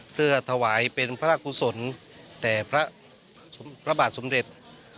เพื่อถวายเป็นพระราชกุศลแด่พระบาทสมเด็จ